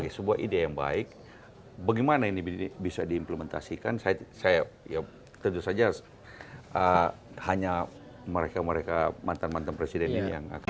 sebuah ide yang baik bagaimana ini bisa diimplementasikan saya ya tentu saja hanya mereka mereka mantan mantan presiden ini yang akan